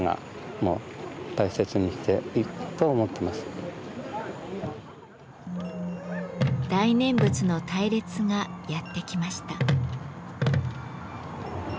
私たちは大念仏の隊列がやって来ました。